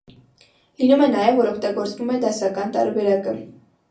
Լինում է նաև, որ օգտագործվում է դասական տարբերակը։